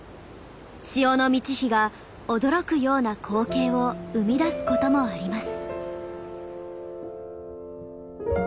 潮の満ち干が驚くような光景を生み出すこともあります。